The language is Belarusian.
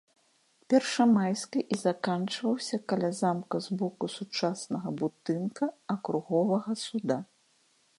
Першамайскай і заканчваўся каля замка з боку сучаснага будынка акруговага суда.